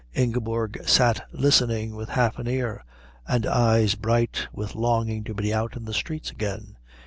Ingeborg sat listening with half an ear and eyes bright with longing to be out in the streets again.